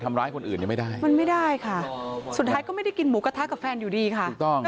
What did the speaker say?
ดำรวจก็มันไม่ได้ปักเชื่อในคำให้การนะ